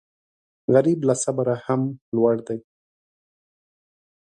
غریب له صبره هم لوړ دی